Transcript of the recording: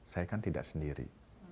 saya kan tidak sendiri